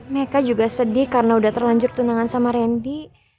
mereka juga sedih karena udah terlanjur tunangan sama randy